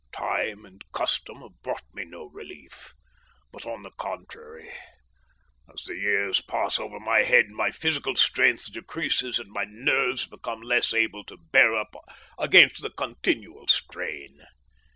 Time and custom have brought me no relief, but on the contrary, as the years pass over my head my physical strength decreases and my nerves become less able to bear up against the continual strain.